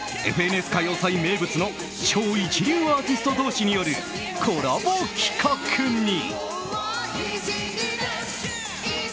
「ＦＮＳ歌謡祭」名物の超一流アーティスト同士によるコラボ企画に。